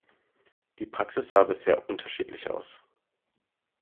Die Praxis sah bisher unterschiedlich aus.